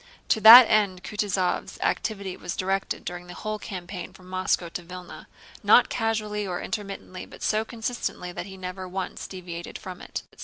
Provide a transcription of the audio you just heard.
To that end Kutúzov's activity was directed during the whole campaign from Moscow to Vílna—not casually or intermittently but so consistently that he never once deviated from it.